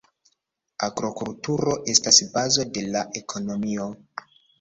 Agrokulturo estas bazo de la ekonomio.